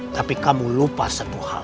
tapi kamu lupa satu hal